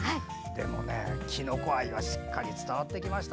でも、きのこ愛はしっかり伝わってきました。